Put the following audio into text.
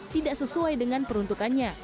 tidak sesuai dengan peruntukannya